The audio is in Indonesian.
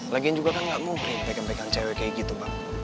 lagian juga kan nggak mungkin pekan pegang cewek kayak gitu bang